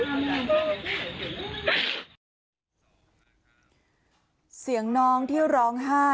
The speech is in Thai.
คุณผู้ชมไปดูคลิปต้นเรื่องกันกันกันก่อนค่ะ